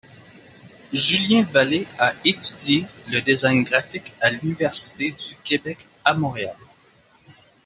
Julien Vallée a étudié le design graphique à l'Université du Québec à Montréal.